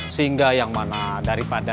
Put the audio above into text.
sehingga yang mana daripada